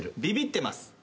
ビビってます。